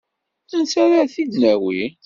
Ansi ara t-id-nawi?